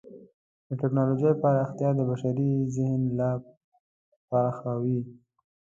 د ټکنالوجۍ پراختیا د بشري ذهن لا پراخوي.